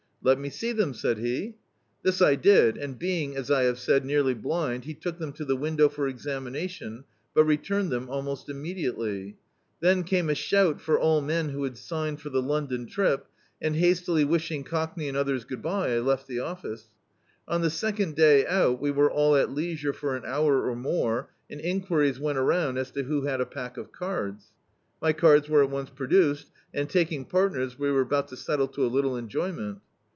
"Let me see them," said he. This I did and being, as I have said, nearly blind, he took them to the window for examination, but returned them almost immediately. Then came a shout for all men who had signed for the London trip, and, hastily wishing Cockney and others good bye, I left the office. On the second day out we were all at leisure for an hour or more, and enquiries went around as to who had a pack of cards. My cards were at once produced and, taking parmers, we were about to settle to a little enjoyment.